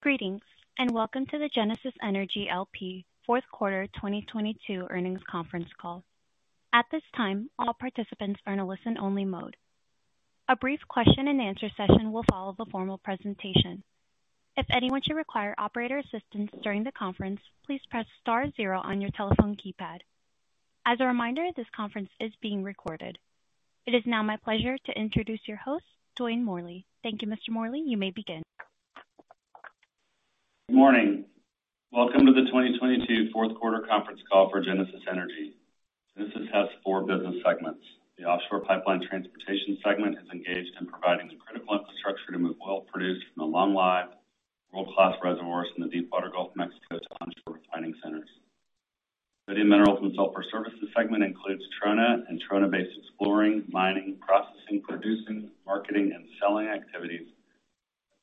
Greetings, welcome to the Genesis Energy, L.P. Q4 2022 earnings conference call. At this time, all participants are in a listen only mode. A brief question and answer session will follow the formal presentation. If anyone should require operator assistance during the conference, please press star zero on your telephone keypad. As a reminder, this conference is being recorded. It is now my pleasure to introduce your host, Dwayne Morley. Thank you, Mr. Morley. You may begin. Good morning. Welcome to the 2022 Q4 conference call for Genesis Energy. Genesis has four business segments. The Offshore Pipeline Transportation segment is engaged in providing the critical infrastructure to move oil produced from the long life world-class reservoirs in the Deepwater Gulf of Mexico to onshore refining centers. The Minerals and Sulfur Services segment includes trona and trona-based exploring, mining, processing, producing, marketing, and selling activities,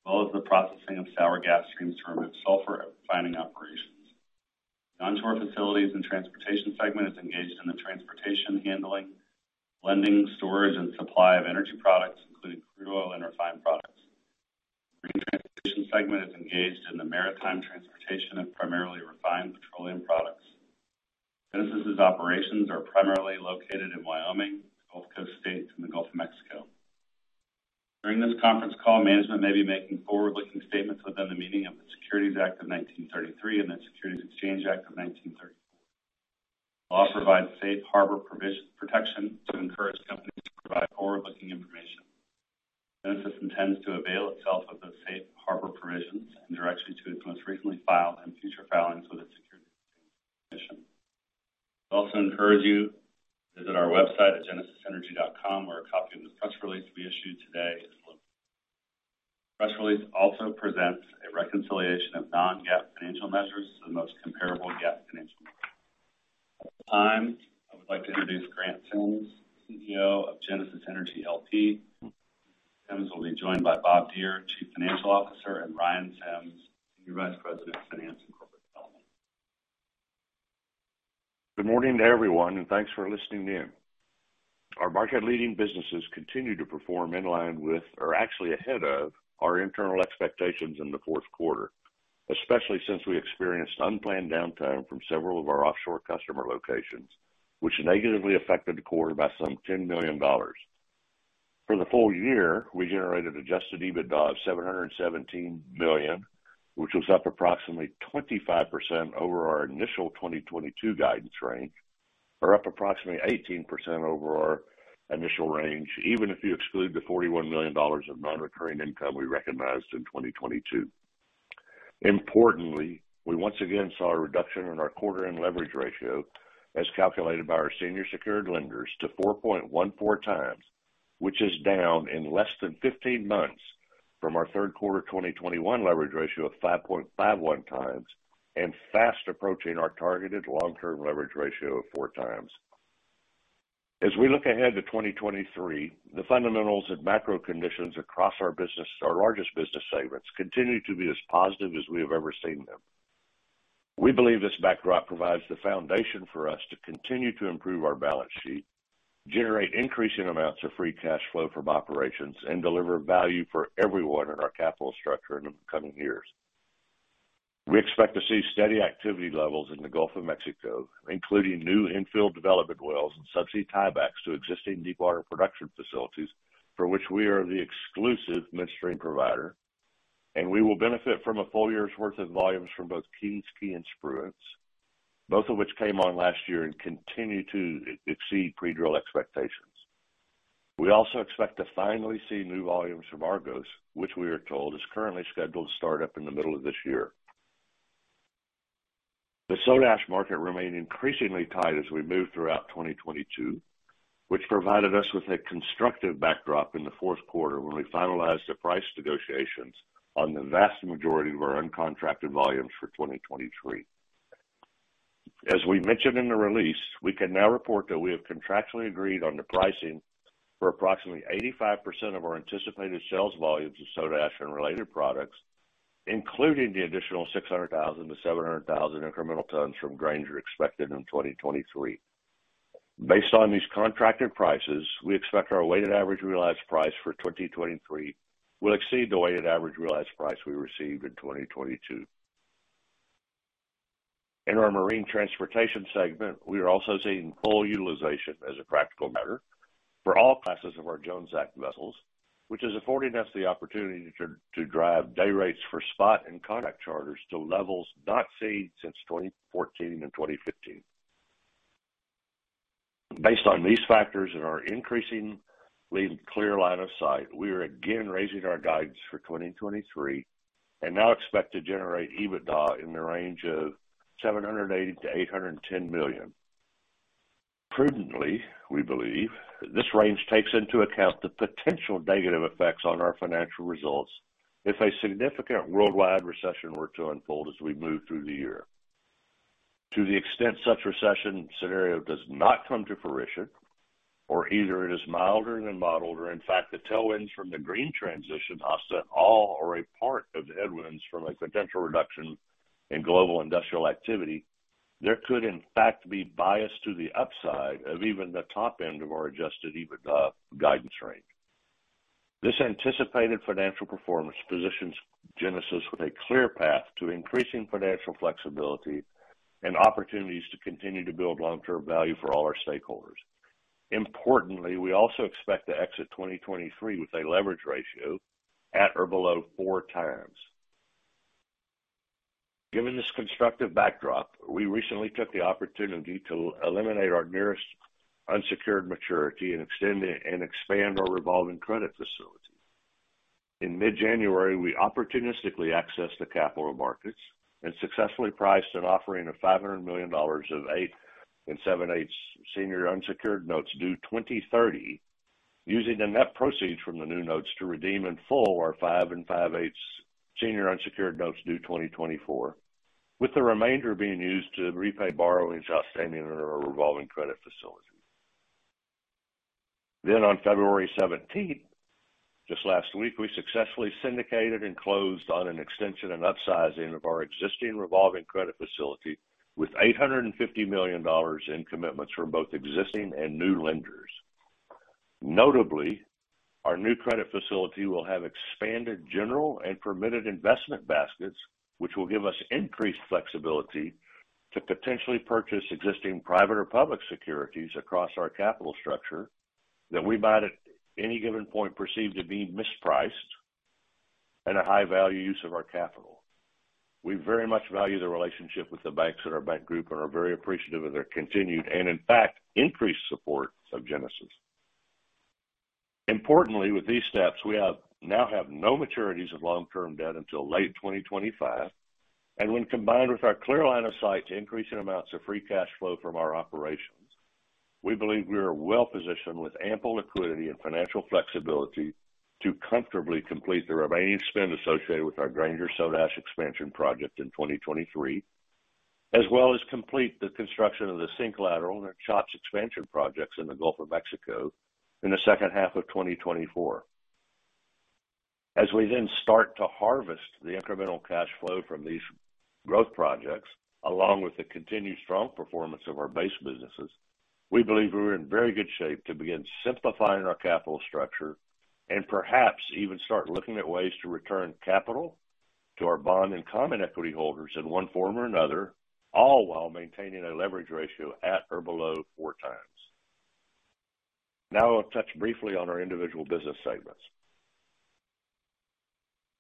as well as the processing of sour gas streams to remove sulfur at refining operations. The Onshore Facilities and Transportation segment is engaged in the transportation, handling, blending, storage, and supply of energy products, including crude oil and refined products. The Marine Transportation segment is engaged in the maritime transportation of primarily refined petroleum products. Genesis's operations are primarily located in Wyoming, the Gulf Coast states, and the Gulf of Mexico. During this conference call, management may be making forward-looking statements within the meaning of the Securities Act of 1933 and the Securities Exchange Act of 1934. The law provides safe harbor protection to encourage companies to provide forward-looking information. Genesis intends to avail itself of those safe harbor provisions in direction to its most recently filed and future filings with the Securities and Exchange Commission. I also encourage you to visit our website at genesisenergy.com, where a copy of this press release we issued today is located. Press release also presents a reconciliation of non-GAAP financial measures to the most comparable GAAP financial measures. At this time, I would like to introduce Grant Sims, CEO of Genesis Energy, L.P. Sims will be joined by Bob Deere, Chief Financial Officer, and Ryan Sims, Senior Vice President of Finance and Corporate Development. Good morning to everyone. Thanks for listening in. Our market leading businesses continue to perform in line with or actually ahead of our internal expectations in the Q4, especially since we experienced unplanned downtime from several of our offshore customer locations, which negatively affected the quarter by some $10 million. For the full year, we generated Adjusted EBITDA of $717 million, which was up approximately 25% over our initial 2022 guidance range, or up approximately 18% over our initial range, even if you exclude the $41 million of non-recurring income we recognized in 2022. Importantly, we once again saw a reduction in our quarter-end leverage ratio as calculated by our senior secured lenders to 4.14×, which is down in less than 15 months from our Q3 2021 leverage ratio of 5.51×, Fast approaching our targeted long-term leverage ratio of 4×. As we look ahead to 2023, the fundamentals and macro conditions across our largest business segments continue to be as positive as we have ever seen them. We believe this backdrop provides the foundation for us to continue to improve our balance sheet, generate increasing amounts of free cash flow from operations, and deliver value for everyone in our capital structure in the coming years. We expect to see steady activity levels in the Gulf of Mexico, including new infill development wells and subsea tiebacks to existing deep-water production facilities, for which we are the exclusive midstream provider. We will benefit from a full year's worth of volumes from both King's Quay and Spruance, both of which came on last year and continue to exceed pre-drill expectations. We also expect to finally see new volumes from Argos, which we are told is currently scheduled to start up in the middle of this year. The soda ash market remained increasingly tight as we moved throughout 2022, which provided us with a constructive backdrop in the Q4 when we finalized the price negotiations on the vast majority of our uncontracted volumes for 2023. As we mentioned in the release, we can now report that we have contractually agreed on the pricing for approximately 85% of our anticipated sales volumes of soda ash and related products, including the additional 600,000-700,000 incremental tons from Granger expected in 2023. Based on these contracted prices, we expect our weighted average realized price for 2023 will exceed the weighted average realized price we received in 2022. In our Marine Transportation segment, we are also seeing full utilization as a practical matter for all classes of our Jones Act vessels, which is affording us the opportunity to drive day rates for spot and contract charters to levels not seen since 2014 and 2015. Based on these factors and our increasing clear line of sight, we are again raising our guidance for 2023 and now expect to generate EBITDA in the range of $780 million-$810 million. Prudently, we believe, this range takes into account the potential negative effects on our financial results if a significant worldwide recession were to unfold as we move through the year. To the extent such recession scenario does not come to fruition, or either it is milder than modeled, or in fact, the tailwinds from the green transition offset all or a part of the headwinds from a potential reduction in global industrial activity. There could in fact be bias to the upside of even the top end of our adjusted EBITDA guidance range. This anticipated financial performance positions Genesis with a clear path to increasing financial flexibility and opportunities to continue to build long-term value for all our stakeholders. Importantly, we also expect to exit 2023 with a leverage ratio at or below 4×. Given this constructive backdrop, we recently took the opportunity to eliminate our nearest unsecured maturity and extend it and expand our revolving credit facility. In mid-January, we opportunistically accessed the capital markets and successfully priced an offering of $500 million of eight and seven-eighths senior unsecured notes due 2030, using the net proceeds from the new notes to redeem in full our five and five-eighths senior unsecured notes due 2024, with the remainder being used to repay borrowings outstanding under our revolving credit facility. On February 17th, just last week, we successfully syndicated and closed on an extension and upsizing of our existing revolving credit facility with $850 million in commitments from both existing and new lenders. Notably, our new credit facility will have expanded general and permitted investment baskets, which will give us increased flexibility to potentially purchase existing private or public securities across our capital structure that we might at any given point perceive to be mispriced at a high value use of our capital. We very much value the relationship with the banks and our bank group and are very appreciative of their continued and in fact, increased support of Genesis. Importantly, with these steps, we now have no maturities of long-term debt until late 2025. When combined with our clear line of sight to increasing amounts of free cash flow from our operations, we believe we are well positioned with ample liquidity and financial flexibility to comfortably complete the remaining spend associated with our Granger soda ash expansion project in 2023, as well as complete the construction of the SYNC Lateral and our CHOPS expansion projects in the Gulf of Mexico in the second half of 2024. We then start to harvest the incremental cash flow from these growth projects, along with the continued strong performance of our base businesses, we believe we're in very good shape to begin simplifying our capital structure and perhaps even start looking at ways to return capital to our bond and common equity holders in one form or another, all while maintaining a leverage ratio at or below 4×. Now I'll touch briefly on our individual business segments.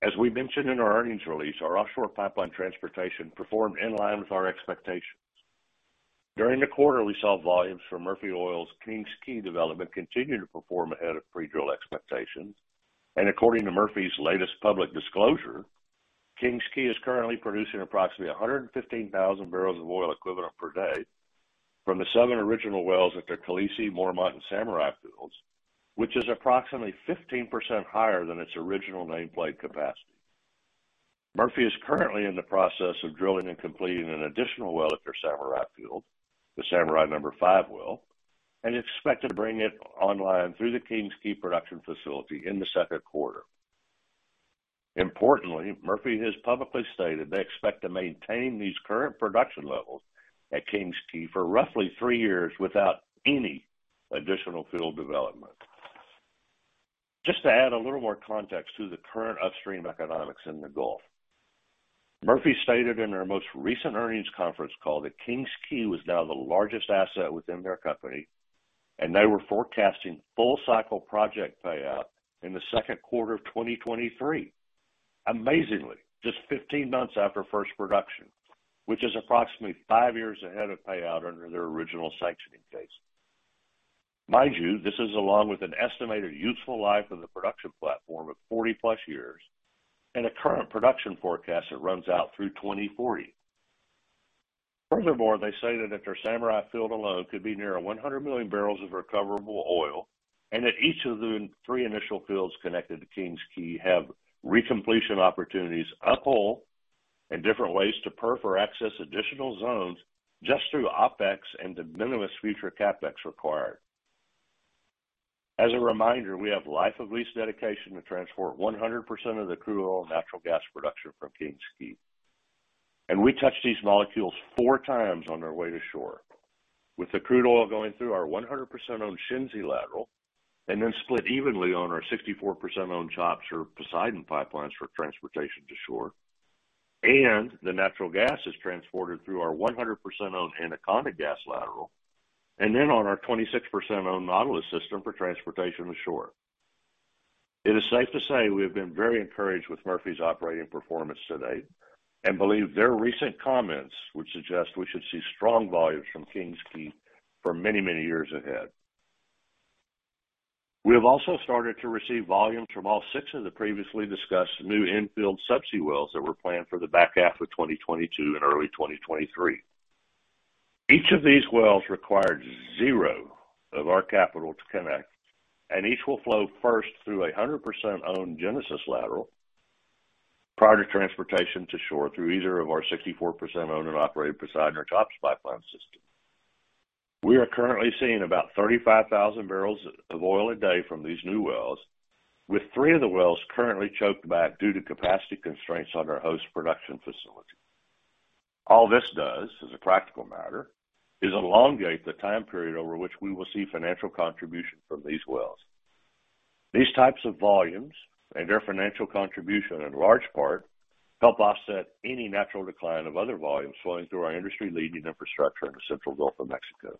As we mentioned in our earnings release, our Offshore Pipeline Transportation performed in line with our expectations. During the quarter, we saw volumes from Murphy Oil's King's Quay development continue to perform ahead of pre-drill expectations. According to Murphy's latest public disclosure, King's Quay is currently producing approximately 115,000 barrels of oil equivalent per day from the southern original wells at their Khaleesi, Mormont and Samurai fields, which is approximately 15% higher than its original nameplate capacity. Murphy is currently in the process of drilling and completing an additional well at their Samurai field, the Samurai number five well, and is expected to bring it online through the King's Quay production facility in the Q2. Importantly, Murphy has publicly stated they expect to maintain these current production levels at King's Quay for roughly three years without any additional field development. Just to add a little more context to the current upstream economics in the Gulf. Murphy stated in their most recent earnings conference call that King's Quay was now the largest asset within their company, and they were forecasting full cycle project payout in the second quarter of 2023. Amazingly, just 15 months after first production, which is approximately five years ahead of payout under their original sanctioning case. Mind you, this is along with an estimated useful life of the production platform of 40+ years and a current production forecast that runs out through 2040. They say that at their Samurai field alone could be near 100 million barrels of recoverable oil, and that each of the three initial fields connected to King's Quay have recompletion opportunities uphole and different ways to perf or access additional zones just through OpEx and de minimis future CapEx required. As a reminder, we have life of lease dedication to transport 100% of the crude oil and natural gas production from King's Quay. We touch these molecules 4× on their way to shore, with the crude oil going through our 100% owned SYNC Lateral and then split evenly on our 64% owned CHOPS or Poseidon pipelines for transportation to shore. The natural gas is transported through our 100% owned Anaconda gas lateral and then on our 26% owned Nautilus System for transportation to shore. It is safe to say we have been very encouraged with Murphy's operating performance to date and believe their recent comments would suggest we should see strong volumes from King's Quay for many, many years ahead. We have also started to receive volumes from all six of the previously discussed new in-field subsea wells that were planned for the back half of 2022 and early 2023. Each of these wells required zero of our capital to connect. Each will flow first through a 100% owned Genesis lateral prior to transportation to shore through either of our 64% owned and operated Poseidon or CHOPS pipeline systems. We are currently seeing about 35,000 barrels of oil a day from these new wells, with three of the wells currently choked back due to capacity constraints on our host production facility. All this does, as a practical matter, is elongate the time period over which we will see financial contribution from these wells. These types of volumes and their financial contribution, in large part, help offset any natural decline of other volumes flowing through our industry-leading infrastructure in the Central Gulf of Mexico.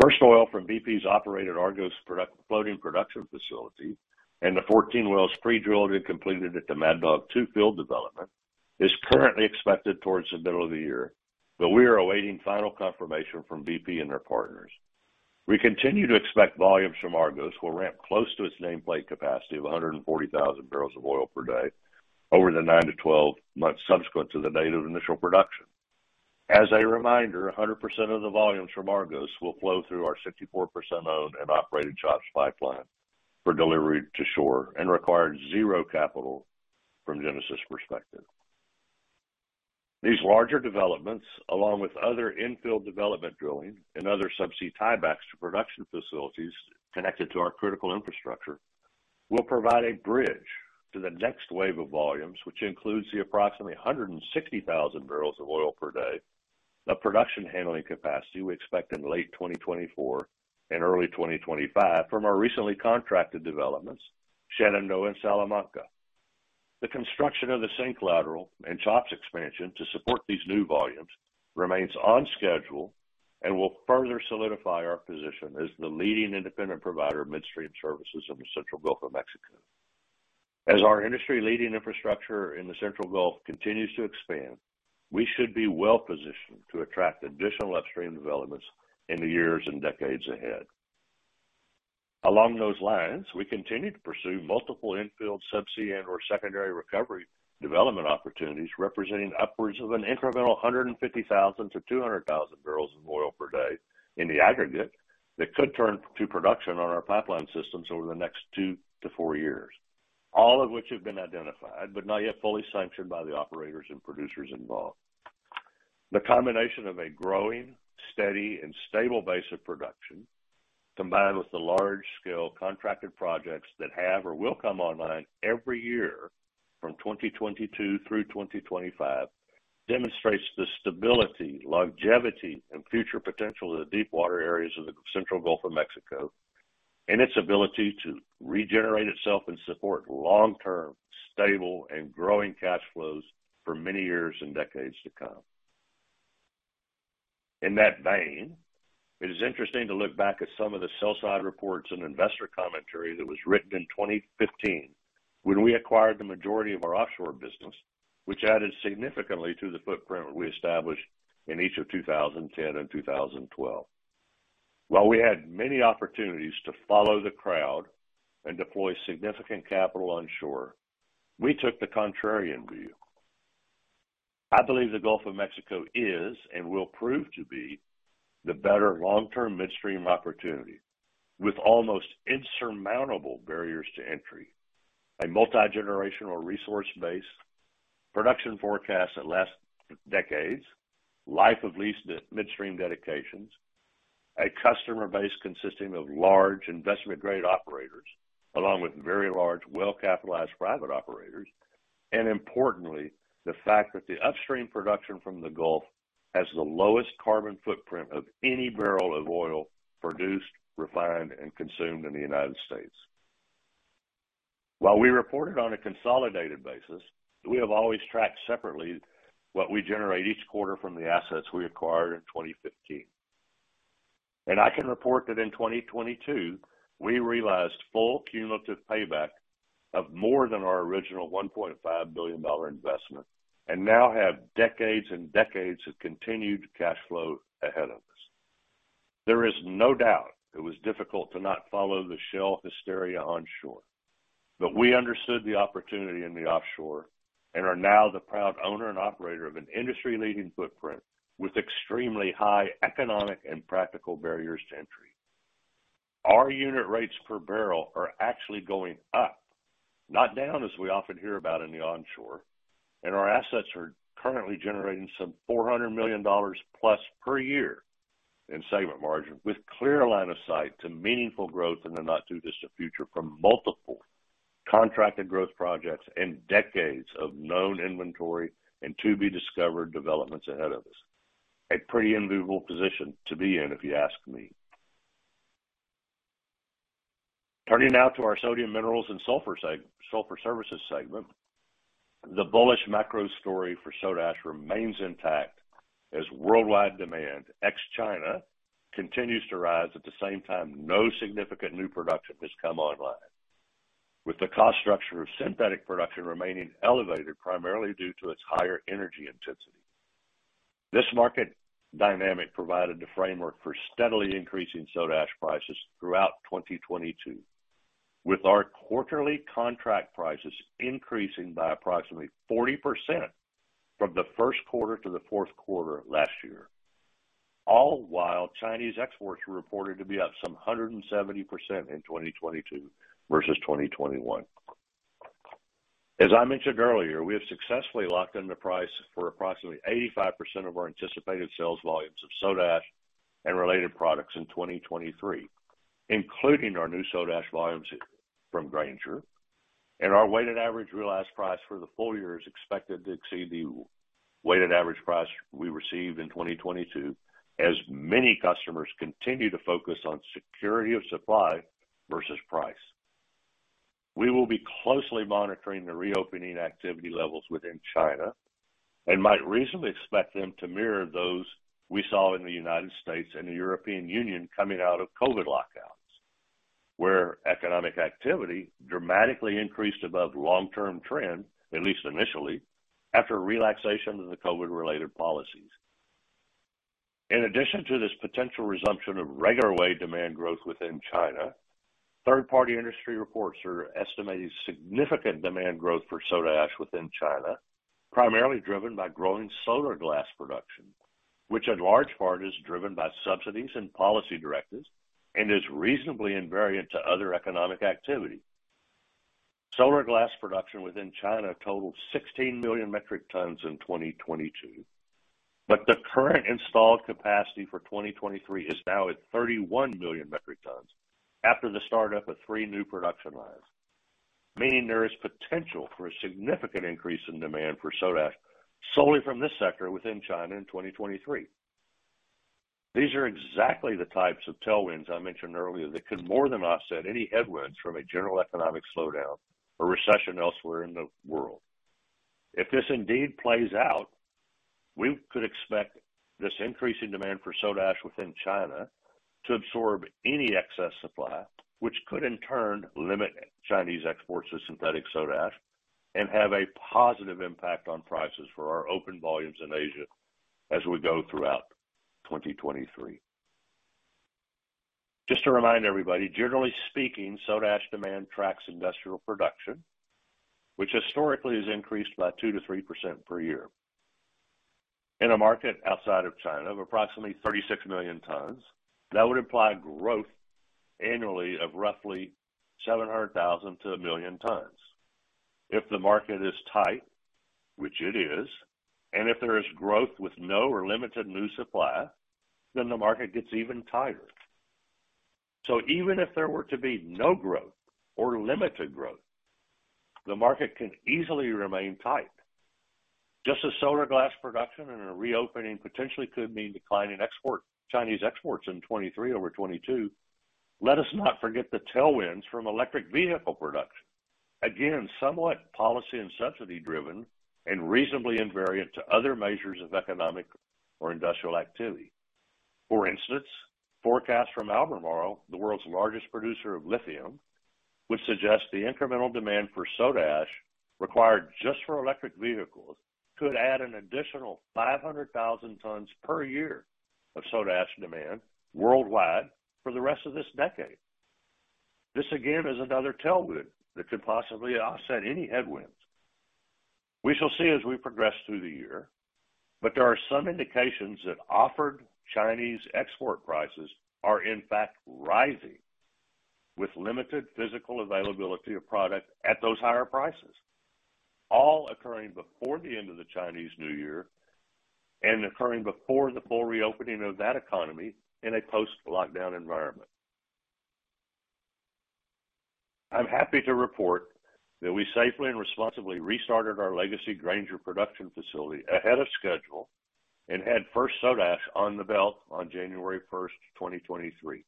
First oil from BP's operated Argos floating production facility and the 14 wells pre-drilled and completed at the Mad Dog two field development is currently expected towards the middle of the year. We are awaiting final confirmation from BP and their partners. We continue to expect volumes from Argos will ramp close to its nameplate capacity of 140,000 barrels of oil per day over the 9-12 months subsequent to the date of initial production. As a reminder, 100% of the volumes from Argos will flow through our 64% owned and operated CHOPS pipeline for delivery to shore and required zero capital from Genesis perspective. These larger developments, along with other infill development drilling and other subsea tiebacks to production facilities connected to our critical infrastructure, will provide a bridge to the next wave of volumes, which includes the approximately 160,000 barrels of oil per day of production handling capacity we expect in late 2024 and early 2025 from our recently contracted developments, Shenandoah and Salamanca. The construction of the SYNC Lateral and CHOPS expansion to support these new volumes remains on schedule and will further solidify our position as the leading independent provider of midstream services in the Central Gulf of Mexico. As our industry-leading infrastructure in the Central Gulf continues to expand, we should be well positioned to attract additional upstream developments in the years and decades ahead. Along those lines, we continue to pursue multiple infill subsea and/or secondary recovery development opportunities representing upwards of an incremental 150,000-200,000 barrels of oil per day in the aggregate that could turn to production on our pipeline systems over the next two-four years, all of which have been identified but not yet fully sanctioned by the operators and producers involved. The combination of a growing, steady and stable base of production, combined with the large-scale contracted projects that have or will come online every year from 2022 through 2025, demonstrates the stability, longevity, and future potential of the deep water areas of the Central Gulf of Mexico and its ability to regenerate itself and support long-term, stable, and growing cash flows for many years and decades to come. In that vein, it is interesting to look back at some of the sell-side reports and investor commentary that was written in 2015 when we acquired the majority of our offshore business, which added significantly to the footprint we established in each of 2010 and 2012. While we had many opportunities to follow the crowd and deploy significant capital onshore, we took the contrarian view. I believe the Gulf of Mexico is and will prove to be the better long-term midstream opportunity, with almost insurmountable barriers to entry, a multigenerational resource base, production forecasts that last decades, life of lease midstream dedications, a customer base consisting of large investment-grade operators, along with very large, well-capitalized private operators, and importantly, the fact that the upstream production from the Gulf has the lowest carbon footprint of any barrel of oil produced, refined, and consumed in the United States. While we reported on a consolidated basis, we have always tracked separately what we generate each quarter from the assets we acquired in 2015. I can report that in 2022, we realized full cumulative payback of more than our original $1.5 billion investment and now have decades and decades of continued cash flow ahead of us. There is no doubt it was difficult to not follow the shale hysteria onshore, we understood the opportunity in the offshore and are now the proud owner and operator of an industry-leading footprint with extremely high economic and practical barriers to entry. Our unit rates per barrel are actually going up, not down, as we often hear about in the onshore, and our assets are currently generating some $400 million+ per year in segment margin, with clear line of sight to meaningful growth in the not-too-distant future from multiple contracted growth projects and decades of known inventory and to-be-discovered developments ahead of us. A pretty enviable position to be in, if you ask me. Turning now to our Sodium Minerals and Sulfur Services segment. The bullish macro story for soda ash remains intact as worldwide demand, ex China, continues to rise at the same time no significant new production has come online, with the cost structure of synthetic production remaining elevated primarily due to its higher energy intensity. This market dynamic provided the framework for steadily increasing soda ash prices throughout 2022, with our quarterly contract prices increasing by approximately 40% from the Q1-Q4 of last year, all while Chinese exports were reported to be up some 170% in 2022 versus 2021. As I mentioned earlier, we have successfully locked in the price for approximately 85% of our anticipated sales volumes of soda ash and related products in 2023, including our new soda ash volumes from Granger. Our weighted average realized price for the full year is expected to exceed the weighted average price we received in 2022, as many customers continue to focus on security of supply versus price. We will be closely monitoring the reopening activity levels within China and might reasonably expect them to mirror those we saw in the U.S and the European Union coming out of COVID lockouts, where economic activity dramatically increased above long-term trend, at least initially, after relaxation of the COVID-related policies. In addition to this potential resumption of regular way demand growth within China, third-party industry reports are estimating significant demand growth for soda ash within China, primarily driven by growing solar glass production, which in large part is driven by subsidies and policy directives, and is reasonably invariant to other economic activity. Solar glass production within China totaled 16 million metric tons in 2022. The current installed capacity for 2023 is now at 31 million metric tons after the start up of three new production lines, meaning there is potential for a significant increase in demand for soda ash solely from this sector within China in 2023. These are exactly the types of tailwinds I mentioned earlier that could more than offset any headwinds from a general economic slowdown or recession elsewhere in the world. If this indeed plays out, we could expect this increase in demand for soda ash within China to absorb any excess supply, which could in turn limit Chinese exports of synthetic soda ash and have a positive impact on prices for our open volumes in Asia as we go throughout 2023. Just to remind everybody, generally speaking, soda ash demand tracks industrial production, which historically has increased by 2%-3% per year. In a market outside of China of approximately 36 million tons, that would imply growth annually of roughly 700,000-1 million tons. If the market is tight, which it is, and if there is growth with no or limited new supply, then the market gets even tighter. Even if there were to be no growth or limited growth, the market can easily remain tight. Just as solar glass production and a reopening potentially could mean decline in export, Chinese exports in 2023 over 2022, let us not forget the tailwinds from electric vehicle production. Again, somewhat policy and subsidy driven and reasonably invariant to other measures of economic or industrial activity. For instance, forecasts from Albemarle, the world's largest producer of lithium, would suggest the incremental demand for soda ash required just for electric vehicles could add an additional 500,000 tons per year of soda ash demand worldwide for the rest of this decade. This again is another tailwind that could possibly offset any headwinds. We shall see as we progress through the year, but there are some indications that offered Chinese export prices are in fact rising with limited physical availability of product at those higher prices, all occurring before the end of the Chinese New Year and occurring before the full reopening of that economy in a post-lockdown environment. I'm happy to report that we safely and responsibly restarted our legacy Granger production facility ahead of schedule and had first soda ash on the belt on January 1st 2023.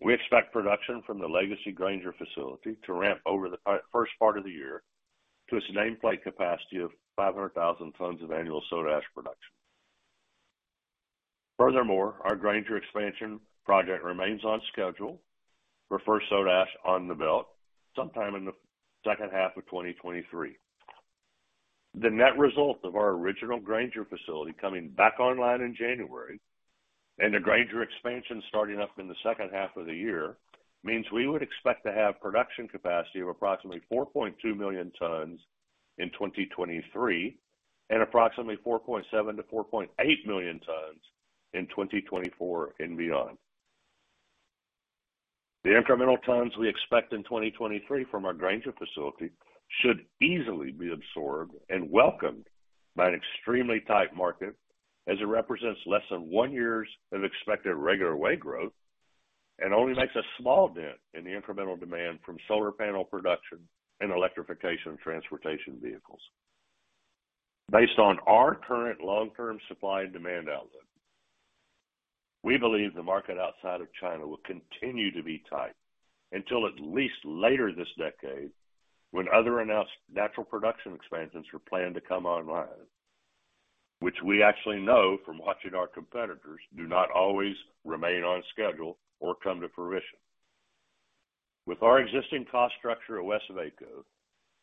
We expect production from the legacy Granger facility to ramp over the first part of the year to its nameplate capacity of 500,000 tons of annual soda ash production. Our Granger expansion project remains on schedule for first soda ash on the belt sometime in the second half of 2023. The net result of our original Granger facility coming back online in January and the Granger expansion starting up in the second half of the year means we would expect to have production capacity of approximately 4.2 million tons in 2023, and approximately 4.7 million-4.8 million tons in 2024 and beyond. The incremental tons we expect in 2023 from our Granger facility should easily be absorbed and welcomed by an extremely tight market as it represents less than one year's of expected regular way growth and only makes a small dent in the incremental demand from solar panel production and electrification of transportation vehicles. Based on our current long-term supply and demand outlook, we believe the market outside of China will continue to be tight until at least later this decade when other announced natural production expansions are planned to come online, which we actually know from watching our competitors do not always remain on schedule or come to fruition. With our existing cost structure at Weslaco,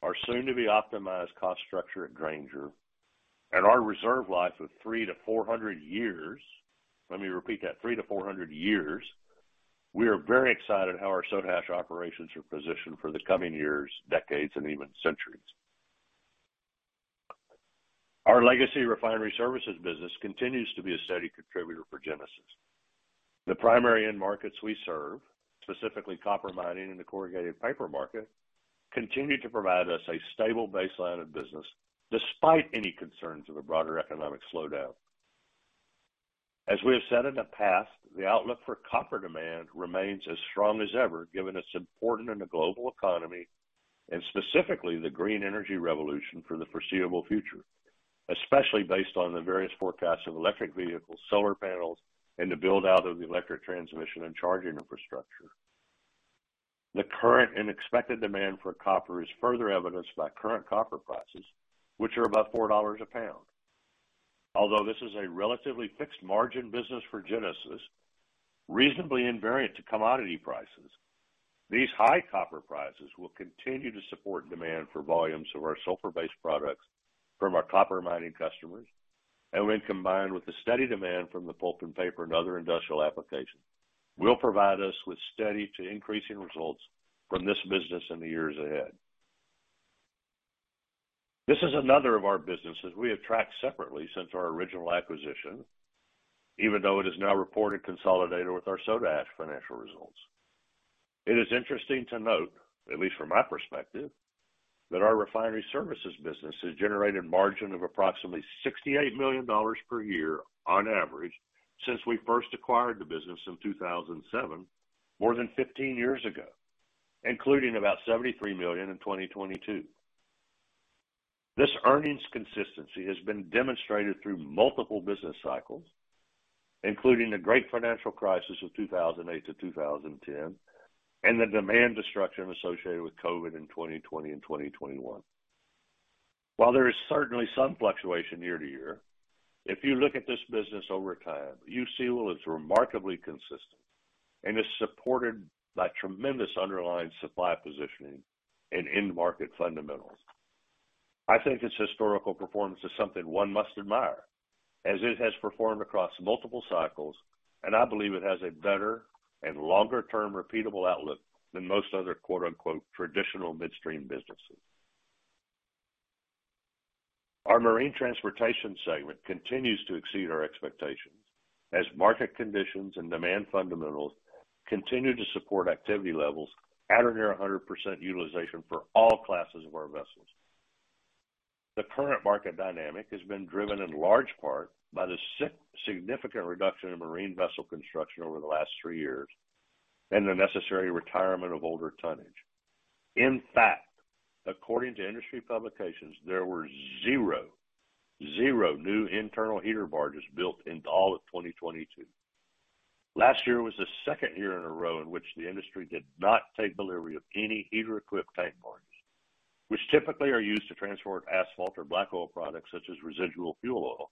our soon-to-be optimized cost structure at Granger, and our reserve life of 300-400 years, let me repeat that, 300-400 years, we are very excited how our soda ash operations are positioned for the coming years, decades, and even centuries. Our legacy refinery services business continues to be a steady contributor for Genesis. The primary end markets we serve, specifically copper mining and the corrugated paper market, continue to provide us a stable baseline of business despite any concerns of a broader economic slowdown. As we have said in the past, the outlook for copper demand remains as strong as ever given its importance in the global economy and specifically the green energy revolution for the foreseeable future, especially based on the various forecasts of electric vehicles, solar panels, and the build-out of the electric transmission and charging infrastructure. The current and expected demand for copper is further evidenced by current copper prices, which are above $4 a pound. Although this is a relatively fixed margin business for Genesis, reasonably invariant to commodity prices, these high copper prices will continue to support demand for volumes of our sulfur-based products from our copper mining customers, and when combined with the steady demand from the pulp and paper and other industrial applications, will provide us with steady to increasing results from this business in the years ahead. This is another of our businesses we have tracked separately since our original acquisition, even though it is now reported consolidated with our soda ash financial results. It is interesting to note, at least from my perspective, that our refinery services business has generated margin of approximately $68 million per year on average since we first acquired the business in 2007, more than 15 years ago, including about $73 million in 2022. This earnings consistency has been demonstrated through multiple business cycles, including the great financial crisis of 2008-2010, and the demand destruction associated with COVID in 2020 and 2021. While there is certainly some fluctuation year to year, if you look at this business over time, you see, well, it's remarkably consistent, and it's supported by tremendous underlying supply positioning and end market fundamentals. I think its historical performance is something one must admire as it has performed across multiple cycles, and I believe it has a better and longer-term repeatable outlook than most other, quote-unquote, traditional midstream businesses. Our Marine Transportation segment continues to exceed our expectations as market conditions and demand fundamentals continue to support activity levels at or near 100% utilization for all classes of our vessels. The current market dynamic has been driven in large part by the significant reduction in marine vessel construction over the last three years and the necessary retirement of older tonnage. In fact, according to industry publications, there were zero new internal heater barges built in all of 2022. Last year was the second year in a row in which the industry did not take delivery of any heater-equipped tank barges, which typically are used to transport asphalt or black oil products such as residual fuel oil,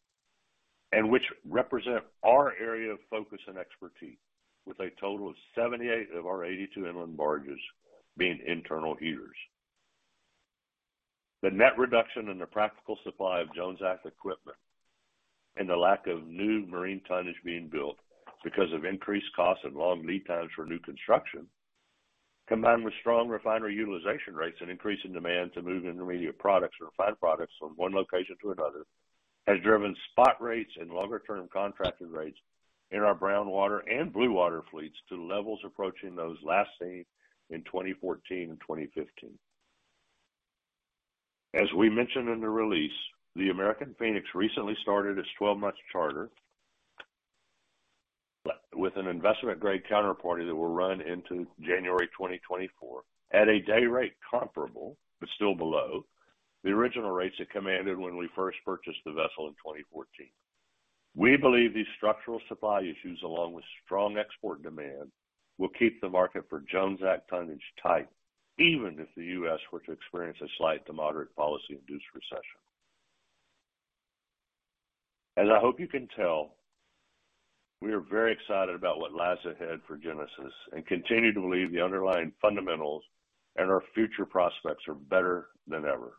and which represent our area of focus and expertise with a total of 78 of our 82 inland barges being internal heaters. The net reduction in the practical supply of Jones Act equipment and the lack of new marine tonnage being built because of increased costs and long lead times for new construction, combined with strong refinery utilization rates and increasing demand to move intermediate products or refined products from one location to another, has driven spot rates and longer-term contracted rates in our brown water and blue water fleets to levels approaching those last seen in 2014 and 2015. As we mentioned in the release, the American Phoenix recently started its 12-month charter with an investment-grade counterparty that will run into January 2024 at a day rate comparable, but still below, the original rates it commanded when we first purchased the vessel in 2014. We believe these structural supply issues, along with strong export demand, will keep the market for Jones Act tonnage tight, even if the U.S. were to experience a slight to moderate policy-induced recession. As I hope you can tell, we are very excited about what lies ahead for Genesis and continue to believe the underlying fundamentals and our future prospects are better than ever.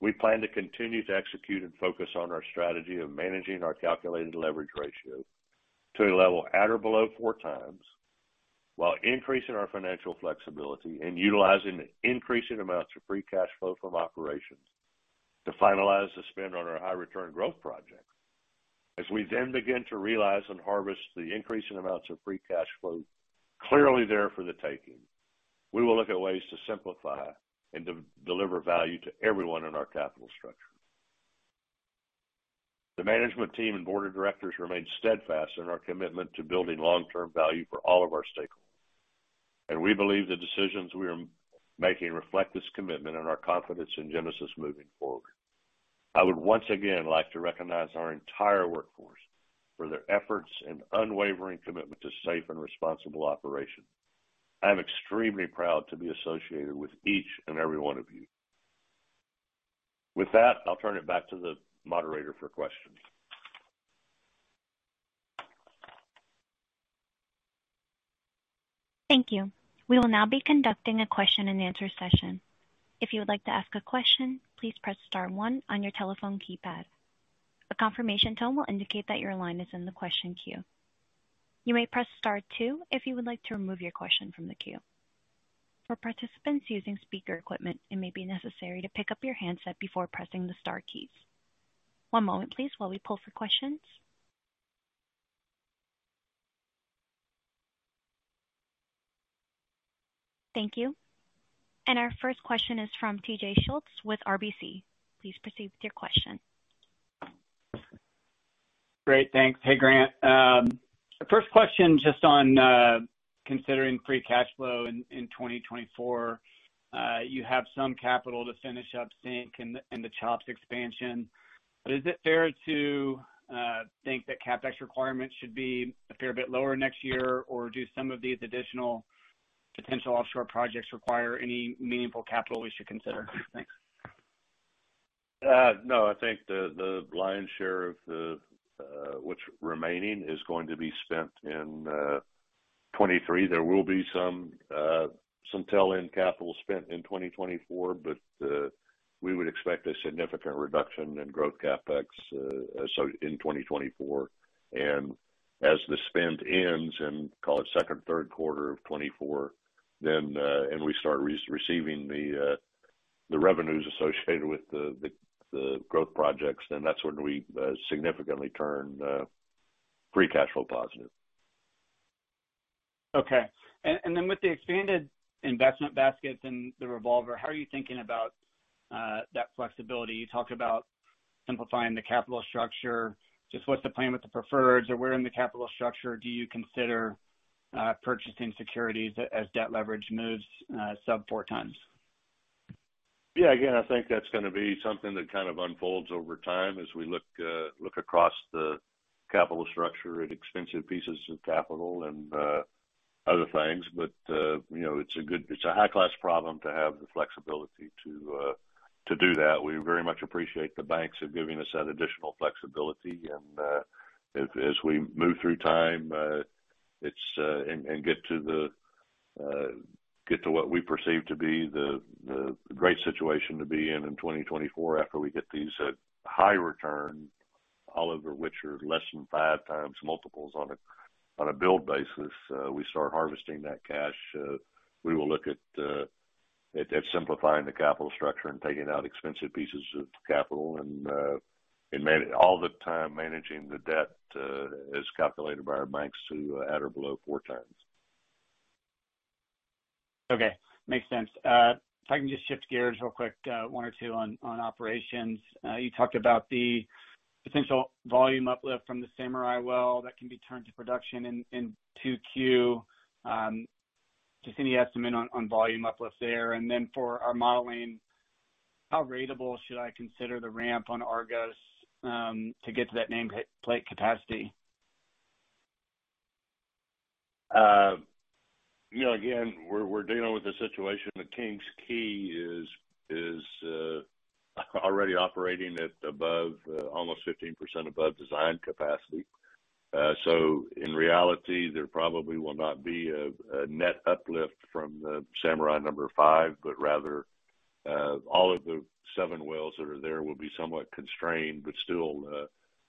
We plan to continue to execute and focus on our strategy of managing our calculated leverage ratio to a level at or below four times while increasing our financial flexibility and utilizing increasing amounts of free cash flow from operations to finalize the spend on our high return growth projects. As we then begin to realize and harvest the increasing amounts of free cash flow clearly there for the taking, we will look at ways to simplify and de-deliver value to everyone in our capital structure. The management team and board of directors remain steadfast in our commitment to building long-term value for all of our stakeholders, and we believe the decisions we are making reflect this commitment and our confidence in Genesis moving forward. I would once again like to recognize our entire workforce for their efforts and unwavering commitment to safe and responsible operation. I am extremely proud to be associated with each and every one of you. With that, I'll turn it back to the moderator for questions. Thank you. We will now be conducting a question-and-answer session. If you would like to ask a question, please press star one on your telephone keypad. A confirmation tone will indicate that your line is in the question queue. You may press star two if you would like to remove your question from the queue. For participants using speaker equipment, it may be necessary to pick up your handset before pressing the star keys. One moment please while we pull for questions. Thank you. Our first question is from Torrey Schultz with RBC. Please proceed with your question. Great, thanks. Hey, Grant. first question just on considering free cash flow in 2024. you have some capital to finish up SYNC and the CHOPS expansion. Is it fair to think that CapEx requirements should be a fair bit lower next year? Do some of these additional potential offshore projects require any meaningful capital we should consider? Thanks. No, I think the lion's share of the what's remaining is going to be spent in 2023. There will be some tail-end capital spent in 2024, we would expect a significant reduction in growth CapEx so in 2024. As the spend ends in, call it second, third quarter of 2024, then and we start receiving the revenues associated with the growth projects, then that's when we significantly turn free cash flow positive. Okay. Then with the expanded investment baskets and the revolver, how are you thinking about that flexibility? You talked about simplifying the capital structure. What's the plan with the preferreds or where in the capital structure do you consider purchasing securities as debt leverage moves sub 4x? Yeah, again, I think that's gonna be something that kind of unfolds over time as we look across the capital structure at expensive pieces of capital and other things. You know, it's a high-class problem to have the flexibility to do that. We very much appreciate the banks are giving us that additional flexibility. As we move through time, it's get to the get to what we perceive to be the great situation to be in 2024 after we get these high return, all over which are less than 5x multiples on a on a build basis, we start harvesting that cash. We will look at simplifying the capital structure and taking out expensive pieces of capital and all the time managing the debt, as calculated by our banks to at or below four times. Okay. Makes sense. If I can just shift gears real quick, one or two on operations. You talked about the potential volume uplift from the Samurai well that can be turned to production in 2Q. Just any estimate on volume uplift there? For our modeling, how ratable should I consider the ramp on Argos to get to that name plate capacity? e're dealing with a situation where King's Quay is already operating at above almost 15% above design capacity. So in reality, there probably will not be a net uplift from the Samurai number five, but rather all of the seven wells that are there will be somewhat constrained, but still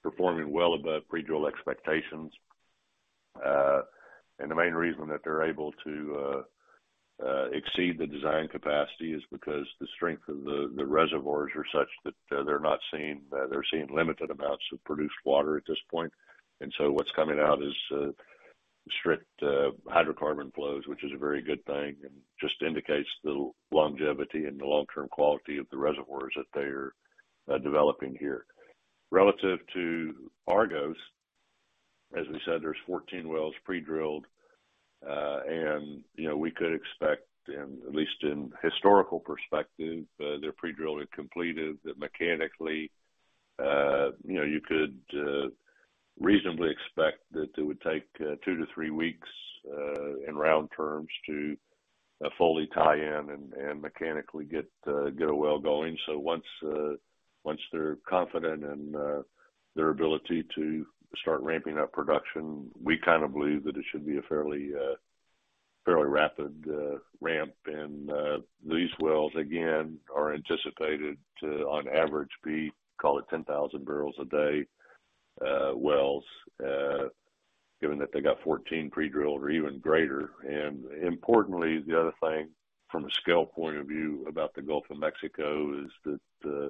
performing well above pre-drill expectations. And the main reason that they're able to exceed the design capacity is because the strength of the reservoirs are such that they're not seeing they're seeing limited amounts of produced water at this point. And so what's coming out is strict hydrocarbon flows, which is a very good thing and just indicates the longevity and the long-term quality of the reservoirs that they are developing here. Relative to Argos, as we said, there's 14 wells pre-drilled. You know, we could expect, and at least in historical perspective, they're pre-drilled and completed, that mechanically, you know, you could reasonably expect that it would take two-three weeks in round terms to fully tie in and mechanically get a well going. Once they're confident in their ability to start ramping up production, we kind of believe that it should be a fairly rapid ramp. These wells again, are anticipated to on average be, call it 10,000 barrels a day wells, given that they got 14 pre-drilled or even greater. Importantly, the other thing from a scale point of view about the Gulf of Mexico is that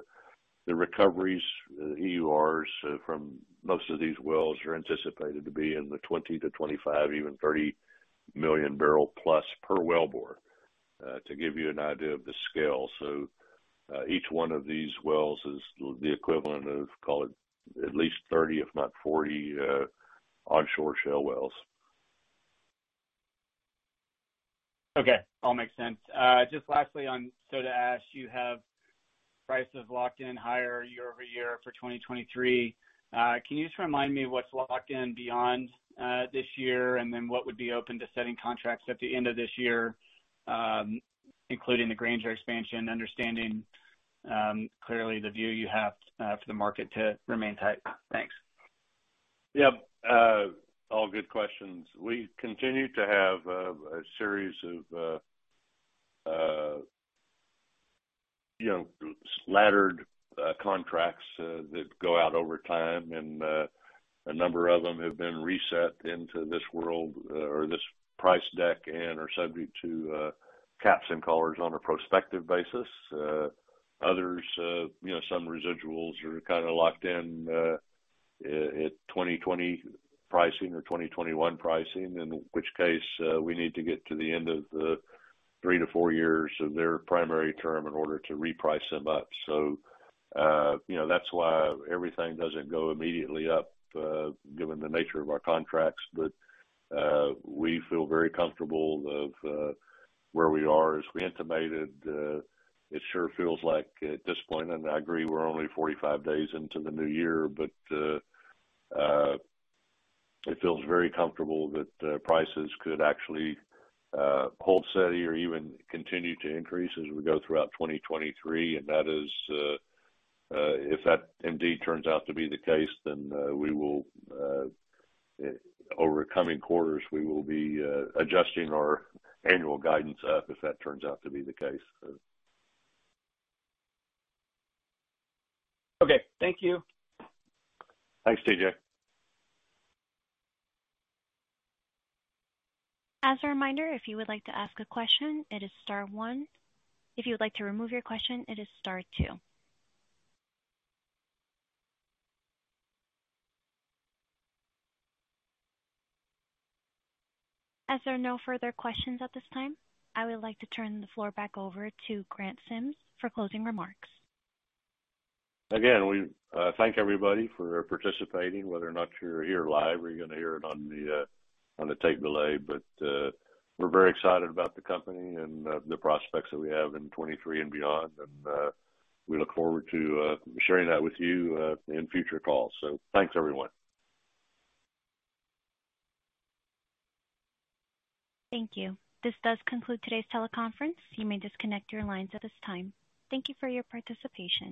the recoveries, the EURs from most of these wells are anticipated to be in the 20-25, even 30 million barrel+ per wellbore to give you an idea of the scale. Each one of these wells is the equivalent of, call it, at least 30, if not 40, onshore shell wells. Okay. All makes sense. Just lastly on soda ash. You have prices locked in higher year-over-year for 2023. Can you just remind me what's locked in beyond this year? What would be open to setting contracts at the end of this year, including the Granger expansion? Understanding, clearly the view you have for the market to remain tight. Thanks. Yeah. All good questions. We continue to have a series of, you know, laddered contracts that go out over time, and a number of them have been reset into this world or this price deck and are subject to caps and collars on a prospective basis. Others, you know, some residuals are kinda locked in at 2020 pricing or 2021 pricing, in which case, we need to get to the end of the three to four years of their primary term in order to reprice them up. You know, that's why everything doesn't go immediately up, given the nature of our contracts. We feel very comfortable of where we are. As we intimated, it sure feels like at this point, and I agree we're only 45 days into the new year, but it feels very comfortable that prices could actually hold steady or even continue to increase as we go throughout 2023. That is, if that indeed turns out to be the case, then we will over coming quarters, we will be adjusting our annual guidance up if that turns out to be the case. Okay. Thank you. Thanks, TJ. As a reminder, if you would like to ask a question, it is star one. If you would like to remove your question, it is star two. As there are no further questions at this time, I would like to turn the floor back over to Grant Sims for closing remarks. We thank everybody for participating, whether or not you're here live or you're gonna hear it on the on the tape delay. We're very excited about the company and the prospects that we have in 2023 and beyond, and we look forward to sharing that with you in future calls. Thanks, everyone. Thank you. This does conclude today's teleconference. You may disconnect your lines at this time. Thank you for your participation.